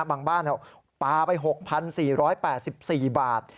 บางบ้านปลาไป๖๔๘๔บาท